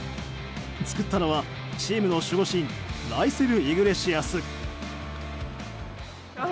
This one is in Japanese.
作ったのはチームの守護神ライセル・イグレシアス。